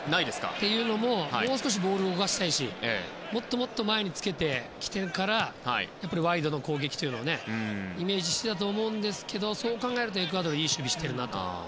というのももう少しボールを動かしたいしもっともっと前につけて起点からワイドの攻撃というのをイメージしてたと思うんですがそう考えるとエクアドルはいい守備をしているなと。